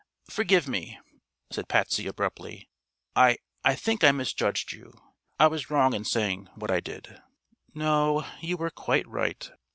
"Forgive me," said Patsy, abruptly. "I I think I misjudged you. I was wrong in saying what I did." "No; you were quite right."